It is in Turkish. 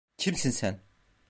Kimsin sen?